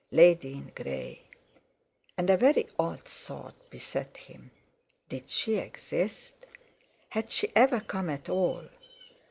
"Lady in grey!" And a very odd thought beset him: Did she exist? Had she ever come at all?